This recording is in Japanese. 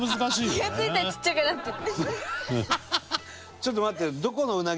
ちょっと待ってよ。